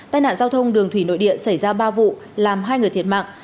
tai nạn giao thông đường thủy nội địa xảy ra ba vụ làm hai người thiệt mạng